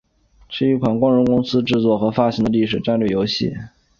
是一款由光荣公司制作和发行的历史类战略游戏。